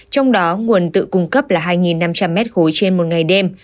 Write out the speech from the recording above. trong đó nguồn tự cung cấp là hai năm trăm linh m ba trên một ngày đêm